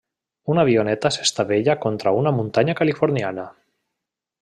Una avioneta s'estavella contra una muntanya californiana.